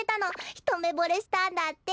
ひとめぼれしたんだって。